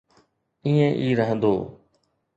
ائين ئي رهندو.